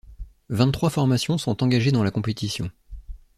Vingt-trois formations sont engagées dans la compétition.